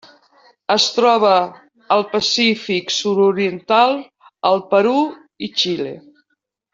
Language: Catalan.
Es troba al Pacífic sud-oriental: el Perú i Xile.